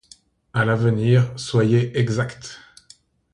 À l’avenir, soyez exact.